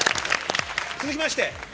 続きまして。